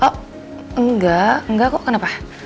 oh enggak enggak kok kenapa